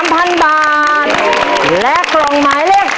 หนึ่งล้าน